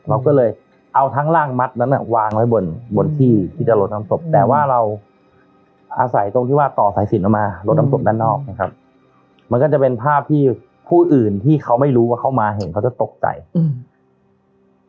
เราก็เลยเอาทั้งร่างมัดนั้นอ่ะวางไว้บนบนที่ที่จะลดน้ำศพแต่ว่าเราอาศัยตรงที่ว่าต่อสายสินออกมาลดน้ำศพด้านนอกนะครับมันก็จะเป็นภาพที่ผู้อื่นที่เขาไม่รู้ว่าเขามาเห็นเขาจะตกใจอืม